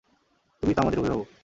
তুমিই তো আমাদের অভিভাবক।